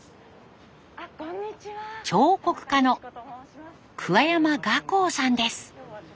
彫刻家の山賀行さんです。